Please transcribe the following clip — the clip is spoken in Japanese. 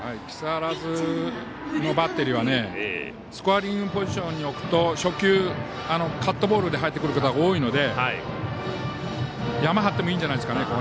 木更津のバッテリーはスコアリングポジションに置くと初球、カットボールで入ってくることが多いのでヤマ張ってもいいんじゃないですかね。